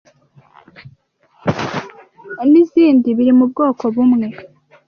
n’izindi biri mu bwoko bumwe